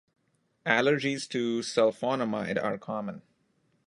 Allergies to sulfonamide are common.